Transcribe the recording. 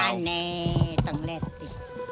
ได้แน่ต้องแร็ดสิ